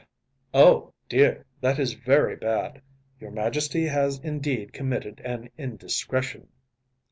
‚ÄĚ “Oh, dear! That is very bad! Your Majesty has indeed committed an indiscretion.